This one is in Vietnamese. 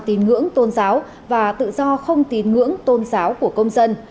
tín ngưỡng tôn giáo và tự do không tín ngưỡng tôn giáo của công dân